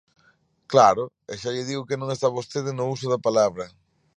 Claro, e xa lle digo que non está vostede no uso da palabra.